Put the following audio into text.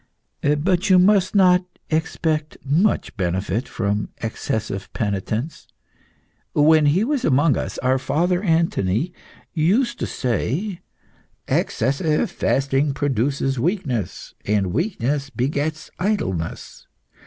But you must not expect much benefit from excessive penitence. When he was amongst us, our Father Anthony used to say, 'Excessive fasting produces weakness, and weakness begets idleness.